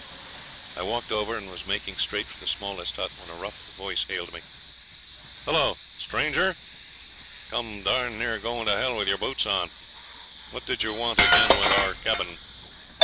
I walked over, and was making straight for the smallest hut, when a rough voice hailed me. 'Hello! stranger, ye came darned near going to h l with your boots on. What did yer want agin that thar cabin?'